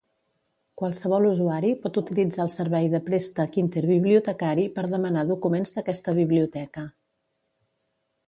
Qualsevol usuari pot utilitzar el servei de préstec interbibliotecari per demanar documents d'aquesta biblioteca.